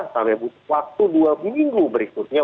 sampai butuh waktu dua minggu berikutnya